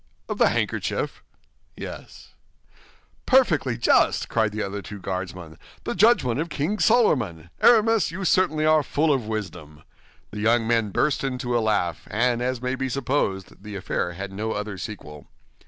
"Of the handkerchief?" "Yes." "Perfectly just," cried the other two Guardsmen, "the judgment of King Solomon! Aramis, you certainly are full of wisdom!" The young men burst into a laugh, and as may be supposed, the affair had no other sequel.